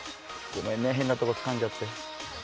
ごめんね変なとこつかんじゃって。